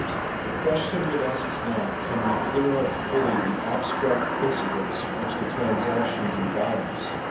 The question with us is not, ' Can we clear up fully the abstract principles which the transaction em bodies